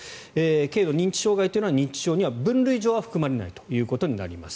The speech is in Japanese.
軽度認知障害というのは認知症には分類上は含まれないということになります。